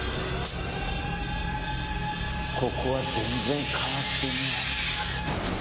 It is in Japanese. ここは全然変わってねえ。